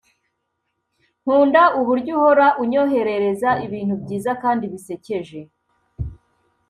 nkunda uburyo uhora unyoherereza ibintu byiza kandi bisekeje